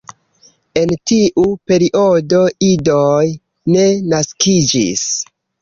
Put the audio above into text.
En tiu periodo idoj ne naskiĝis.